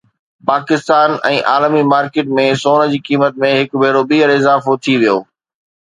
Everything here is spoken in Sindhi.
پاڪستان ۽ عالمي مارڪيٽ ۾ سون جي قيمت ۾ هڪ ڀيرو ٻيهر اضافو ٿي ويو